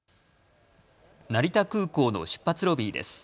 成田空港の出発ロビーです。